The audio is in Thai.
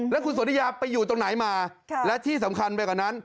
แล้วคุณสนทิยาไปอยู่ตรงไหนมาและที่สำคัญไปกว่านั้น